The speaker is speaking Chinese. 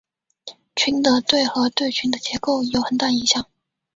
群的对合对群的结构有很大影响。